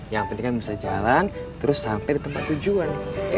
yang penting kan bisa jalan terus sampai di tempat tujuan